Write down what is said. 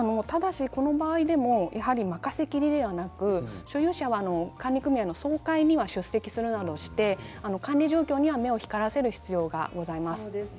任せっきりではなく所有者も管理組合の総会には出席するなどして管理状況には目を光らせる必要がございます。